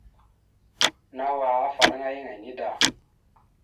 Nawa afalaŋa yaŋ enida.